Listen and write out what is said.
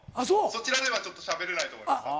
そちらではちょっとしゃべれないと思います。